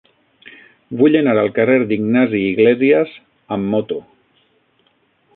Vull anar al carrer d'Ignasi Iglésias amb moto.